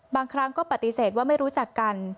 บางครั้งก็ปฏิเสธว่าไม่รู้จักกัน